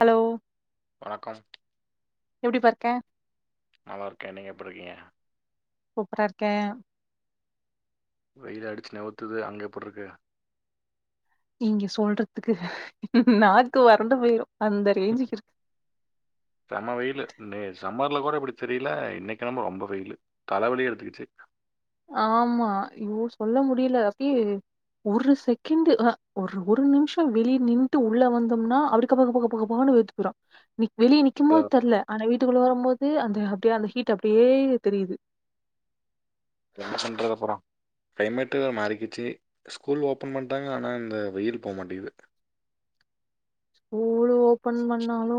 Hello வணக்கம் எப்டி பா இருக்க நல்லாருக்க நீங்க எப்டிரிக்கீங்க கூப்பரா இருக்க வெயிலடுச்சு நவுத்துது அங்க எப்டுருக்கு இங்க சொல்றதுக்கு நாக்கு வறண்டு போயிரு அந்த ரேஞ்சுக்கிருக்கு செம்ம வெயிலு நே சம்மர்ல கூட இப்புடி தெரியில இன்னைக்கென்னமோ ரொம்ப வெயிலு தலவலியே எடுத்துக்கிச்சு ஆமா யோ சொல்ல முடியல அப்பி ஒரு செகண்ட்டு அ ஒரு ஒரு நிமிஷோ வெளிய நின்ட்டு உள்ள வந்தம்னா அப்டி பக்க பக பக பக பகனு வேர்த்து போய்ரு நீ வெளிய நீ சும்மோ இதோ, தெர்ல ஆனா வீட்டுக்குள்ள வரம்போது அந்த அப்டே அந்த ஹீட்டு அப்டே தெரியுது என்ன பண்றது அப்பறோ கிளைமேட்டு மாறிக்கிச்சு ஸ்கூல் ஓப்பன் பண்டாங்க ஆனா இந்த வெயில் போ மாட்டிகுது இவ்ளோ பன் பண்ணாலு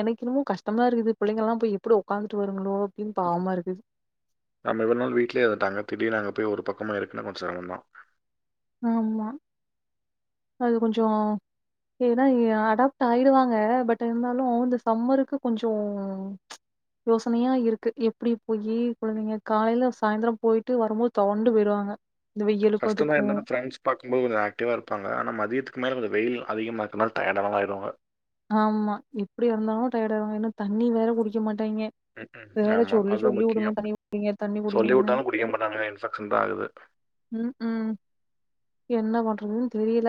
எனக்கென்னமோ கஷ்டமா இருக்குது புள்ளைங்கல்லா போய் எப்புடி ஒக்காந்துட்டு வருங்களோ அப்டகன் பாவமாருக்கு நம்ம இவ்ளோ நாள் வீட்லயே இருந்ட்டாங்க தீடினு அங்க போய் ஒரு பக்கமா இருக்குன்னா கொஞ்ச செரமோதா ஆமா அது கொஞ்சோ ஏன்னா இ அடாப்ட் ஆயிடுவாங்க பட் இருந்தாலு இந்த சம்மருக்கு கொஞ்சோ ச் யோசனையா இருக்கு எப்டி போய்யி கொழந்தைங்க காலைல சாய்ந்தர போயிட்டு வரம்போது தொவண்டு போய்டுவாங்க கஸ்டந்தா இருந்தாலு ஃப்ரெண்ட்ஸ் பாக்கும்போது கொஞ்ச ஆக்டிவா இருப்பாங்க ஆனா மதியத்துக்கு மேல கொஞ்ச வெயில் அதிகமா இருக்கனால டயட் ஆனாலு ஆயிடுவாங்க ஆமா எப்படி இருந்தாலு டயர்ட் ஆவாங்க இன்னு தண்ணி வேற குடிக்க மாட்டாய்ங்க ம் இத ம் வேற ஆமா சொல்லி அதுதான் சொல்லி முக்கியோ வுடணும் தண்ணி குடிங்க, தண்ணி சொல்லி குடிங்கன்னு. உட்டாலு குடிக்க மாட்டானுங்க இன்ஃபெக்க்ஷன் தா ஆகுது ம் ம் என்ன பண்றதுன்னு தெரியல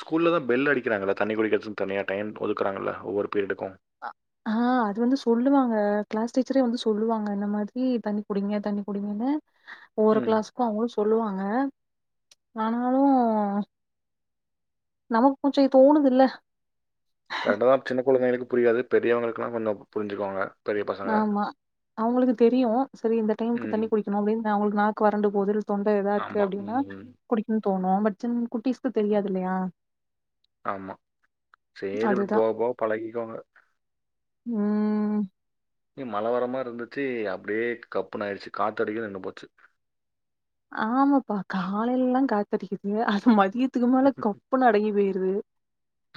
ஸ்கூல்ல தா பெல் அடிக்கிறாங்கள தண்ணி குடிக்கிறதுக்கு தனியா டைம் ஒதுக்குறாங்கள்ல ஒவ்வொரு பீரியடுக்கும் அ ஹா அது வந்து சொல்லுவாங்க கிளாஸ் டீச்சரே வந்து சொல்லுவாங்க இந்த மாதிரி தண்ணி குடிங்க தண்ணி குடிங்கன்னு ஒரு ம் கிளாஸ்கு அவுங்களு சொல்லுவாங்க ஆனாலு நமக்கு கொஞ்ச தோணுது இல்ல கரெக்டுதா சின்ன குழந்தைகளுக்கு புரியாது பெரியவங்களுக்கெல்லா கொஞ்சோ புரிஞ்சுக்குவாங்க பெரிய பசங்க ஆமா அவுங்களுக்கு தெரியு சரி இந்த டைமுக்கு ம் தண்ணி குடிக்கணு அப்டின்னு அவுங்களுக்கு நாக்கு வறண்டு போது தொண்ட இதா இருக்கு ஆமாம் அப்டின்னா ம் குடிக்குன்னு தோணு பட் சின் குட்டிஸ்க்கு தெரியாது இல்லையா ஆமா சேரி அப்டி அதுதா போவ போவ பழகிக்குவாங்க ம் நீ மலவரமா இருந்துச்சு அப்டே கப்புன்னு ஆயிடுச்சு காத்த அடிக்கது நின்னு போச்சு ஆமாப்பா காலையில்லா காத்தடிக்குது அது மதியத்துக்கு மேல கப்புன்னு அடங்கி போயிருது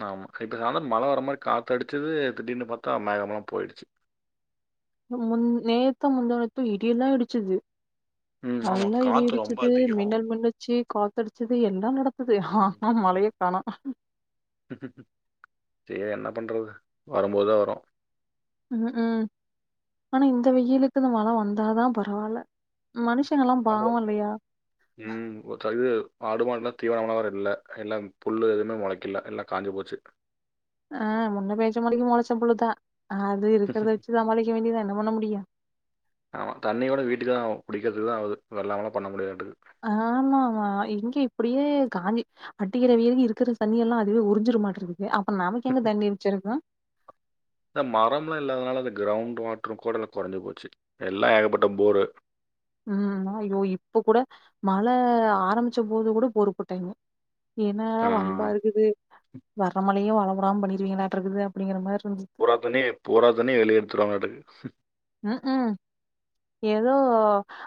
ஆமா இப்போ நல்லா மழ வர மாதிரி காத்து அடிச்சது திடீர்னு பார்த்தா மேகமெலாம் போயிடுச்சு முன் நேத்து முந்தாணேத்தோ இடியெல்லா இடிச்சுது ம் ஆமாம் நல்லா இடி காற்று ரொம்ப இடிச்சது அதிகம் மின்னல் மின்னு ச்சி காத்தடிச்சது எல்லா‌ நடந்துது ஆனா மழைய காணோ சேர் என்ன பண்றது வரும்போதா வரு ம் ம் ஆனா இந்த வெயிலுக்கு இந்த மழ வந்தாதா பரவால்ல மனுஷங்கல்லா நம்ம பாவோ இல்லையா ம் ஒரு [unintelligible] ஆடு மாடுல்லா தீவனம்ல்லா வேற இல்ல எல்லா புல்லு எதுவு மொளைக்கல எல்லாம் காஞ்சி போச்சு ஆ முன்ன பேஞ்ச மழைக்கு மொளைச்ச புல்லுதா அது இருக்கறத வச்சு சமாளிக்க வேண்டியதா என்ன பண்ண முடியு அவ தண்ணிய கூட வீட்டுக்கு தா குடிக்கிறதுக்கு தா ஆவுது வெள்ளாமல்லா பண்ண முடியாதுட்டுக்கு ஆமா ஆமா இங்க இப்படியே காஞ்சி அடிக்கிறவெயிலுக்கு இருக்கற தண்ணி எல்லா அதுவே உறிஞ்சிடு மாட்ருக்கு அப்ப நமக்கு எங்க தண்ணி மிச்சருக்கோ இந்த மரம்லா இல்லாததனால இந்த கிரௌண்ட் வாட்டரோ கொடல கொறஞ்சி போச்சு எல்லா ஏகப்பட்ட போரு ம் ஐயோ இப்ப கூட மழ ஆரம்பிச்ச போது கூட போரு போட்டாய்ங்க ஏனா வம்பா இருக்குது வர மழயு வரவுடாம பண்ணிருவீங்களாட்டோ இருக்குது அப்டீங்கிற மாதிரி இருந் பூராத்தண்ணிய பூராத்தண்ணிய வெளிய எடுத்துடு வாங்களாட்டுங்குது உ ஹும் ஏதோ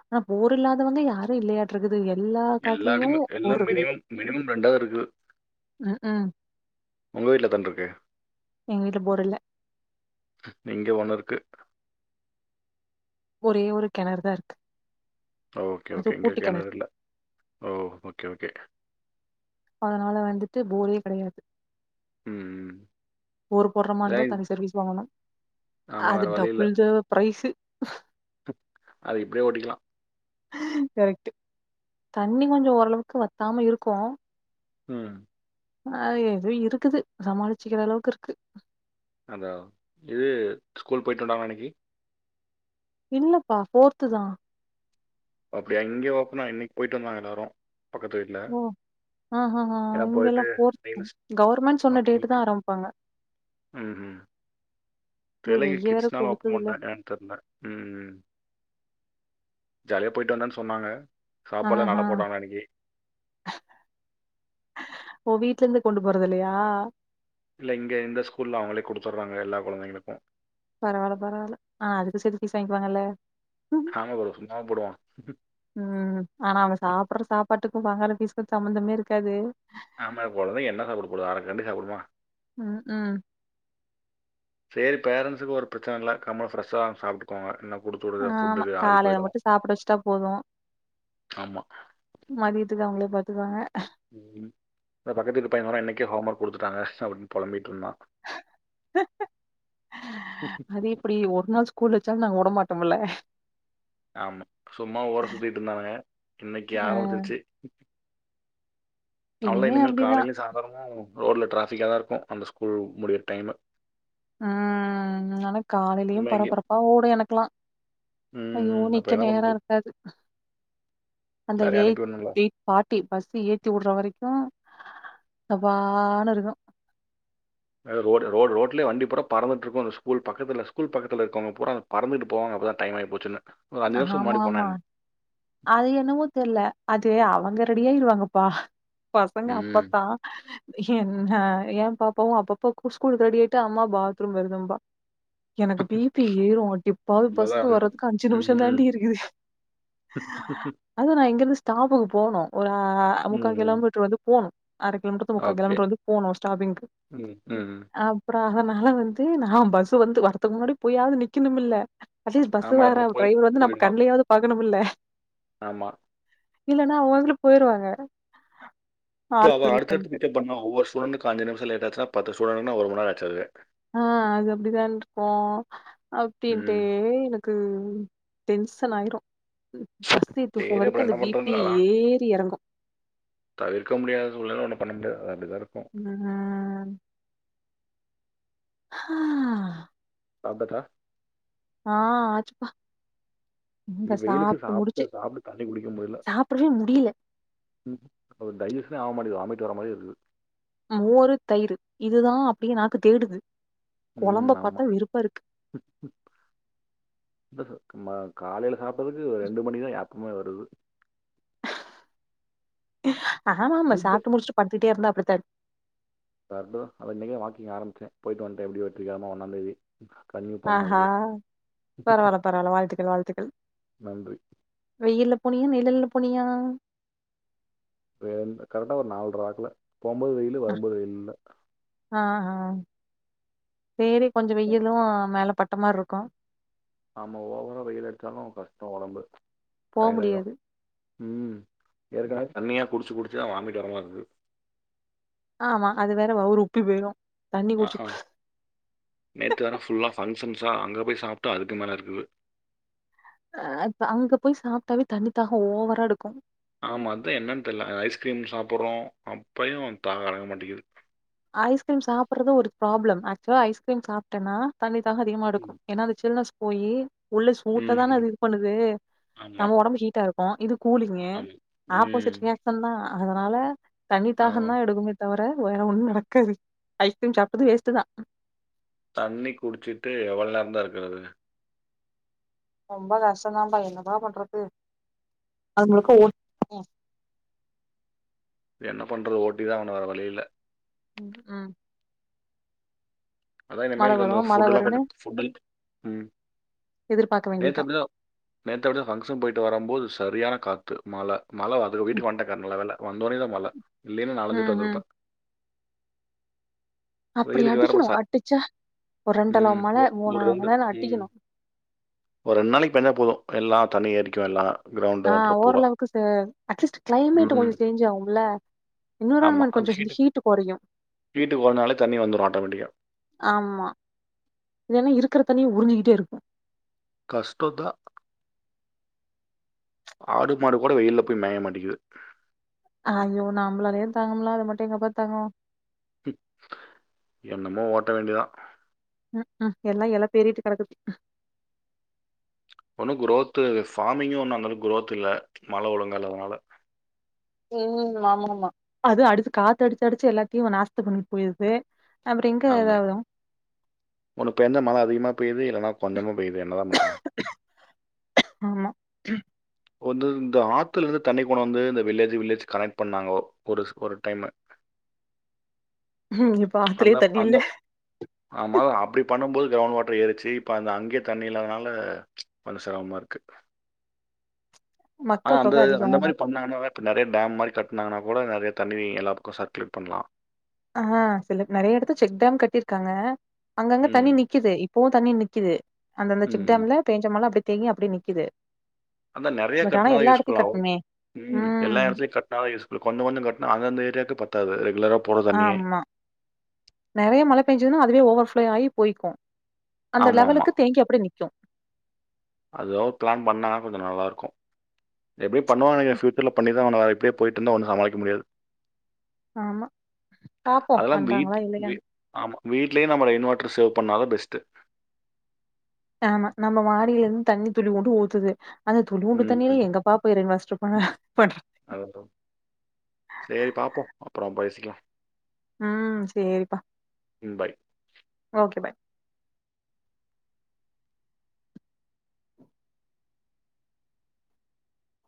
ஆனா போரூ இல்லாதவங்க யாரோ இல்லையாட் இட்ருக்குது எல்லா காட்டுலயு எல்லாத்தையுமே போர் எல்லாம் இருக்குது மினிமம் மினிமம் ரெண்டாவது இருக்குது உம் ஹு உங்க வீட்ல எத்தன்ருக்கு எங்க வீட்ல போரு இல்ல இங்க ஒண்ணு இருக்கு ஒரே ஒரு கெணறு தா இருக்கு ஓகே அது ஓகே இங்க கூட்டு கெணறு இல்ல ஓ ஓக்கே ஓகே ப்ப அதனால வந்துட்டு போரே கெடையாது ம் போரு போட்றமாரி இர்ந்தா இதான் தனி சர்வீஸ் வாங்கணோ ஆமாம் அது வேறு வழி இல்லை டபுள் செலவு ப்ரைஸு அது இப்டியே ஓட்டிக்கலா கரெக்ட்டு தண்ணீ கொஞ்சோ ஓரளவுக்கு வத்தாம இருக்கோ ம் அ எதோ இருக்குது சமாளிச்சிக்கிற அளவுக்கு இருக்கு அதா இது ஸ்கூல் போய்ட்டு வந்தாங்களா இன்னிக்கி இல்லப்பா ஃபோர்த்து தா அப்டியா இங்க ஓப்பனா இன்னிக்கு போயிட்டு வந்தாங்க எல்லோரோ பக்கத்து வீட்ல ஆஹா ஹா இங்கல்லா ஃபோர்த் தா கவர்மண்ட் சொன்ன அப்படி டேட்டு தா ஆரம்ப்பாங்க ம் ஹு ஒரு தெர்லங்க வெய்ய வேற கிட்ஸ்னால ஓப்பன் கொளுத்துதுல்ல பண்டாங்களா தெர்ல ம் ஹு ஜாலியா போயிட்டு வந்தன்னு சொன்னாங்க ஆ சாப்பாடுலாம் ஹா நல்லா போட்டாங்க அன்னைக்கு ஓ வீட்ல இர்ந்து கொண்டு போறது இல்லயா இல்ல இங்க இந்த ஸ்கூல்ல அவுங்களே குடுத்துடுறாங்க எல்லா கொழந்தைகளுக்கோ பரவால்ல பரவால்ல ஆனா அதுக்கோ சேத்து ஃபீஸ் வாங்க்யுவாங்கல்ல ஆமா ப்ரோ சும்மாவ போடுவா ம் ஆனா அவ சாப்புற சாப்பாட்டுக்கு வாங்கற பீஸ்கோ சம்மந்தமே இருக்காது ஆமா கொழந்தைங்க என்ன சாப்புட போது அரக்கரண்டி சாப்புடுமா உம் உம் செரி பேரன்ஸுக்கு ஒரு பிரச்சன இல்ல கம்ம ஃப்ரெஷ்ஷா சாப்புட்டு ப்பாங்க இன்னா குடுத்துவுடறது ஆமா ஃபுட்டுது ஆறி காலையில போய்டோ மட்டும் சாப்பிட வச்சுட்டா ஆமா மதியத்துக்கோ அவுங்களே பாத்துக்குவாங்க இந்த பக்கத்து வீட்டு பைய வேற இன்னிக்கே ஹோம் ஒர்க் குடுத்துட்டாங்க அப்டீன்னு பொலம்பிட்ருந்தா அது எப்டி ஒரு நாள் ஸ் கூலூ வெச்சாலு நாங்க உடமாட்டோம்ல ஆமா சும்மா ஊர சுத்திட்டு இருந்தானுங்க இன்னிக்கு அ ஆரம்பிச்சிருச்சு அவ்ள இனிமே இனிமேல் அப்டிதான். காலைலயு சாந்தரமு ரோட்ல டிராஃபிகா தா இருக்கோ அந்த ஸ்கூல் முடியுற டைமு உம் நடப் காலைலயு இவங்க பரபரப்பா ஓடோ எனக்குலா ம், ஐயோ ம். அப்ப நிக்க என்ன நேரோ பண்றது? இருக்காது அந்த எல்லாரையு எயிட் அனுப்பியுட்னோல எயிட் ஃபாட்டி பஸ்சு ஏத்தி வுட்ற வரிக்கோ அப்பானு இருக்கோ அ ரோடு ரோடு ரோட்லே வண்டிபுறா பறந்துட்டு இருக்கு அந்த ஸ்கூல் பக்கதுல ஸ்கூல் பக்கத்துல இருக்கவுங்க பூரா பறந்துட்டு போவங்க அப்ப தா டைம் ஆயிபோச்சுனு ஒரு அஞ்சு நிமுஸோ ஆமா, முன்னாடி போனா ஆமா. என்ன அது என்னவோ தெர்ல அது அவங்க ரெடியாயிருவாங்கப்பா பசங்க ம். அப்பத்தா என்னா என் பாப்பாவு அப்ப அப்ப ஸ்கூலுக்கு ரெடி ஆயிட்டு அம்மா பாத்ரூம் வருதும்பா எனக்கு பிபி ஏரும் அடிப்பாவி இதுதான் பஸ்ல வரதுக்கு அஞ்சு நிமிஷோ ம். தாண்டி இருக் அது நா இங்க இருந்து ஸ்டாப்கு போனு ஒரா அ முக்கா ம். கிலோமீட்டர் வந்து போனு அரை கிலோமீட்டர் ல இருந்து முக்கா கிலோமீட்டர் வந்து போனு ஒரு ஸ்டாபிங்கு உ அப்றோ அதுனால வந்து நா பஸ்சு வந்து வர்துக்கு முன்னாடி போய்யாது நிக்கணுமில்ல அட்லிஸ்ட் பஸ்ல ஆமா. வர அப்புறம் போய் டிரைவர நம்ம போயிடுவான். கண்ணலயாது பாக்கணுமுல்ல ஆமா இல்லன்னா அவுங்களு போயிருவாங்க இப்ப ஆல் அவ அடுத்தடுத்து பிக்கப் பண்ணா ஒவ்வொரு ஸ்டுடன்கு அஞ்சு நிமிஷோ லேட் ஆச்சுனா பத்து ஸ்டுடன்குனா ஒரு மண்நேரம் ஆச்சு அதுவே ஆ அது அப்படிதான்று இருக்கோ அப்பின்ட்டே ம் எனக்கு உ டென்சன் ஆய்ரு பசி தூக்க சரி வரிக்கு அப்புறம் அந்த என்ன பி. பண்றது பி ஏறி எறங்கு தவிர்க முடியாது ஒன்னே ஒன்னு பண்ணமுடியாது அது அப்பிடிதா இருக்கு உ ஹ சாப்டசா ஆ ஆச்சுப்பா இங்க வெயிலுக்கு சாப்ட்டு சாப்பிட்டு முடிச்சு சாப்பிட்டு தண்ணி குடிக்க முடியல சாப்டவே முடில அது டைஜிஷன்னே ஆக மாட்டிக்குது வாமிட் வர மாரி இருக்குது மோரு தயிரு இதுதா அப்டியே நாக்கு தேடுது உ கொழம்ப ஆமா பாத்தா வெறுப்பா இருக்கு ம-காலைல சாப்டதுக்கு ஒரு ரெண்டு மணிக்குதா ஏப்பமே வருது ஆமா ஆமா சாப்ட்டு முடிசுட்டு படுத்துட்டே இருந்தா அப்படித்தா இருக்கு கரட்டுதா அதா இன்னைக்கே வாக்கிங் ஆரம்ச்சே போயிட்டுவன்டே எப்டி வெற்றிகரமா ஒன்னாந்தேதி கண்ணு ஆஹ பரவால பரவால வாழ்த்துக்கள் வாழ்த்துக்கள் நன்றி வெயில்ல போனியா நிழல்ல போனியா வெண் கரட்டா ஒரு நால்ரவாக்குல போம்போது வெயிலு வருபோது வெயில் இல்ல ஆஹ் ஹா சேரி கொஞ்சொ வெயிலு மேல பட்ட மாறி இருக்கு ஆமா ஓவரா வெயிலடிச்சாலு கஷ்டோ ஒடம்பு போ டயடாய்ரு முடியாது உ ஏற்கனவே தண்ணியா குடுச்சு குடுச்சுதா வாமிட் வரமாறி இருக்கு ஆமா அது வேற வவுரு உப்பி பொய்று ஆஹா நேத்து வேற ஃபுல்லா ஃபங்க்ஷன்ஸா அங்க போய் சாப்ட்டு அதுக்கு மேல இருக்குது ஆஹ் இப்ப அங்க போய் சாப்ட்டாவே தண்ணிதாகோ ஓவரா எடுக்கு ஆமா அதா என்னனு தெர்ல ஐஸ்கிரீம் சாப்டுறோ அப்பயும தாக அடங்க மாட்டிங்குது ஐஸ்கிரீம் சாப்றது ஒரு ப்ராப்ளம் ஆச்சுவலா ஐஸ்கிரீம் சாப்ட்டேனா தண்ணி தாகொ அதிகமா எடுக்கு ஏனா அது சில்னஸ் போயி உள்ள சூட்ட தான ம் அது இது பண்ணுது ஆமா நம்ம ஒடம்பு ஹீட்டா இருக்கு இது கூலிங்கு ஆமா ம் ஆப்போசிட்ங்க தந்தான் அதனால ஆமா தண்ணித்தாகந்தா எடுக்குமே தவர வேற ஒண்ணு நடக் கது ஐஸ்கிரீம் சாப்டது வேஸ்டுதா தண்ணி குடுச்சிட்டு எவ்வள்நேரந்தா இருக்குறது ரொம்ப கஷ்டதான்ம்ப்பா என்னப்பா பண்றது என்ன பண்றது ஓட்டி தா ஆகனுமக்ஷ வேர வழியில்ல ம் ம் அதா மழ இனிமேல் கந்தோ வரும், மழ ஃபுட்டெல்லா வரும்ன்னு பன்ட்டு ஃபுட்டி ம் எதிர்பார்க்க வேண்டியதான். நேத்தப்டிதாவ் நேத்தப்டிதா ஃபங்க்ஷன் பொய்ட்டு வரம்போது சரியான காத்து மழ‌ மழவது ம், வீட்டுக்கு வண்டேக்கா நல்ல வேல வந்தோனே தா மழ இல்லேனா நாளஞ்சுட் ம், ம். வந்துருப்பே அப்படி வேற அடிக்கணு பட் ச அடுச்சா ஒரு ரெண்டளவ் ம். மல ஒ ஒரு மூணள மலன்னா அடிக்கிணு ஒர் ரெண்ட் நாளிக் பெஞ்சா போது எல்லா தண்ணி ஏரிக்குயெல்லா ஆ ஓரளவுக்கு சென் அட்லீஸ்ட் க்ளைமேட்டு ம். கொன் சேஞ்சாவுல்ல ஆமா. என்விரான்மெண்ட் அது கொஞ்ச இந்த ஹீட்டுக்கு ஹீட்டு் கொறையு ஹீட்டுக்கு ஓடுனாலே தண்ணி வந்துரும் ஆட்டோமேட்டிக்கா. ஆமா இதென்ன இருக்குற தண்ணிய உறுஞ்சிக்கிட்டேயிருக்கு கஷ்டோதா ஆடு மாடு கூட வெயில்ல போய் மேய மாட்டிக்கு ஆயோ நம்ளாலே தாங்கமுல அது மட்டி எங்கப்பா தங்கு பி என்னமோ ஓட்ட வேண்டிதா ம்ம் எல்லா எல பேறிட்டு கெடக்குது ஒன்னு க்ரோத்து ஃபாமிங்கு ஒன்னு அந்தளவுக்கு க்ரோத்தில்ல மழ ஒழுங்கால்லாதனால உம் ஆமாமா அது அடுத்து காத்து அடுச்சு அடுச்சு எல்லாத்தியு நாஸ்தி பண்ணி புய்தே ஆமா ஒன்னு பென்தா மழ அதிகமா பெய்து இல்லன்னா கொஞ்சமா பெய்து என்ன தா பண்றாங்க ஆமா வொந்து இந்த ஆத்துலருந்து தண்ணிகொனாந்து இந்த வில்லேஜ்ஜு வில்லேஜ் கனெக் பண்ணாங்கோ ஒருஸ் ஒரு டைம்மு ம், இப்ப ஆத்துலயே அந்தவ் தண்ணி இல்ல அந்தொ ஆமா அப்டி பண்ணும்போது க்ரௌண்ட் வாட்டர் ஏறுச்சி இப்ப அந்த அங்கே தண்ணி இல்லாதனால பனு செரம்மாருக்கு ஆ மக்கள் அந்த தொக அ அதிகோ அந்த மாரி பண்ணாங்கனா இப்ப நறயா டாம் மாரி கட்னாங்கனா கூட நறய தண்ணி எல்லாபக்கொ சர்க்குலேட் பண்லா அஹா சில நறயா இடத்து செக் டம் கட்டிர்க்காங்க அங்கங்க தண்ணி ம். நிக்கிதே இப் போ தண்ணி நிக்கிது அந்தந்த செக் ம். டாம்ல பேஞ்ச மழ அப்டி தேங்கி அப்டே நிக்கிது அந்த நெறயா கட்னாதா யூஸ்ஃபுல்லாகு கட்டணுமே ம் எல்லாயிடத்துலயு கட் நால யூஸ்ஃபுல் கொன்னு கொன்னு கட்னா அந்தந்த ஏரியாக்கே பத்தாது ரெகுலராப் ஆமா நெறயா மழ பேஞ்சுனா அதுவே ஓவர்ஃப்ளோயாயி பொய்க்கு அந்த ஆமாமா. லெவலுக்கு தேங்கி அப்படே நி்க்கு அதோ ப்ளான் பண்ணனா கொஞ்ச நல்லார்க்கு எப்டி பண்ணுவா ஆனா ஏ சூட்டுல பண்ணி தா ஆணு அ எப்டிப் போயிட்டுந்தா ஒன் சமாளிக்க முடியாது ஆமா பாப்போ அதெல்லாம் வீட் பண்றாங்ளா வீ இல்லையான் ஆமா வீட்லே நம்ம ரெயின்வாட்டர் சேவ் பண்ணாதா பெஸ்ட்டு ஆமா நம்ம மாடில இருந் தண்ணி துளி ஊண்டு ஊத்துது அந்த துளிவுண்டு தண்ணில ம். எங்க பாப்பு ரெய்ன்வாஸ்ட்ரு பஹ பண்ற் அத தோம் சேரி பாப்போ அப்பறம் பேசிக்கலா உம் சேரிப்பா ம் பை ஓகே பாய்